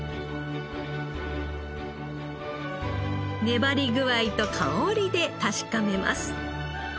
粘り具合と香りで確かめます。